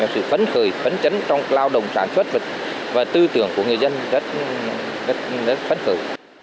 sự phấn khởi phấn chấn trong lao động sản xuất và tư tưởng của người dân rất phấn khởi